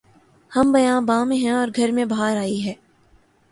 ہم بیاباں میں ہیں اور گھر میں بہار آئی ہے